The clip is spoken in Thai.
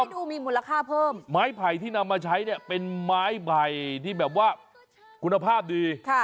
อ๋อต้องก็บอกว่ามีภูมิราคาเพิ่มหลายไผ่ที่นำมาใช้นี่เป็นไม้ไผ่ที่แบบว่างุณภาพดี